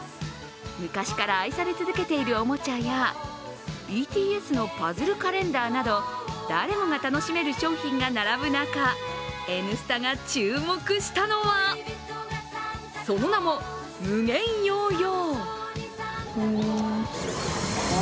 昔から愛され続けているおもちゃやＢＴＳのパズルカレンダーなど誰もが楽しめる商品が並ぶ中「Ｎスタ」が注目したのはその名も、ムゲンヨーヨー。